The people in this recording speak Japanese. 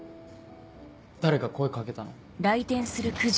誰か声かけたの？